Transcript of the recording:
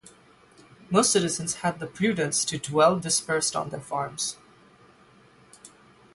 Most citizens had the prudence to dwell dispersed on their farms.